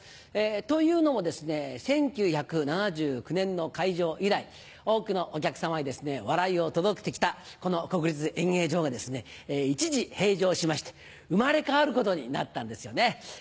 というのもですね１９７９年の開場以来多くのお客さまに笑いを届けてきたこの国立演芸場が一時閉場しまして生まれ変わることになったんですよね。